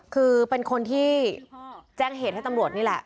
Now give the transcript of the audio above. คือเป็นคนที่แจ้งเหตุให้ตำรวจนี่แหละ